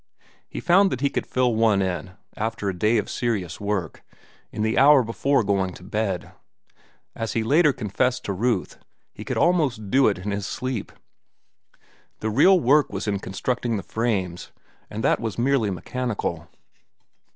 He found that he could fill one in, after a day of serious work, in the hour before going to bed. As he later confessed to Ruth, he could almost do it in his sleep. The real work was in constructing the frames, and that was merely mechanical.